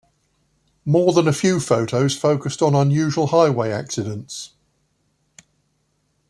More than a few photos focused on unusual highway accidents.